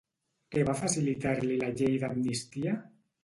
Què va facilitar-li la Llei d'Amnistia?